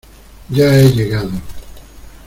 ya he llegado.